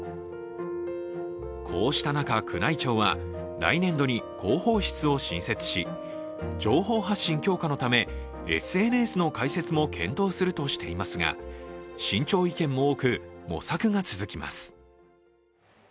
こうした中、宮内庁は来年度に広報室を新設し情報発信強化のためＳＮＳの開設も検討するとしていますが慎重意見も多く、模索が続きます。